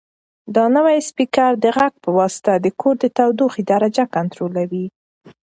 دا نوی سپیکر د غږ په واسطه د کور د تودوخې درجه کنټرولوي.